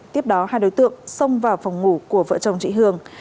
tiếp đó hai đối tượng xông vào phòng ngủ của vợ chồng chị hường